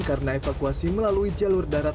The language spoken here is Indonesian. karena evakuasi melalui jalur darat